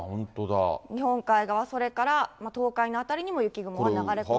日本海側、それから東海の辺りにも雪雲が流れ込む。